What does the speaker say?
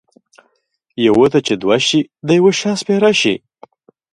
متل: یوه ته چې دوه شي د یوه شا سپېره شي.